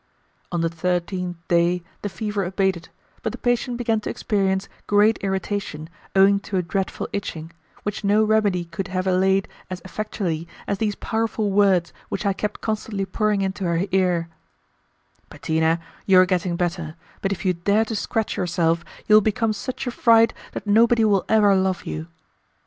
On the thirteenth day the fever abated, but the patient began to experience great irritation, owing to a dreadful itching, which no remedy could have allayed as effectually as these powerful words which I kept constantly pouring into her ear: "Bettina, you are getting better; but if you dare to scratch yourself, you will become such a fright that nobody will ever love you."